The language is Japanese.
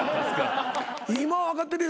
今は分かってるよ。